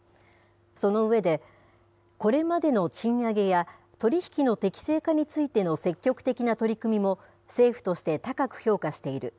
その上で、これまでの賃上げや取り引きの適正化についての積極的な取り組みも政府として高く評価している。